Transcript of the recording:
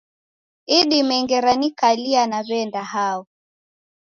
Idime ngera nikalia naw'enda hao